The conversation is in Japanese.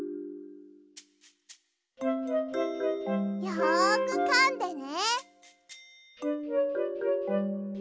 よくかんでね。